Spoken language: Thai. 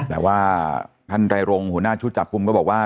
แต่ว่าท่านไรรงหัวหน้าชุดจับกลุ่มก็บอกว่า